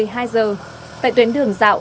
một mươi hai h tại tuyến đường dạo